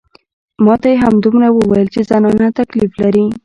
ما ته يې همدومره وويل چې زنانه تکليف لري.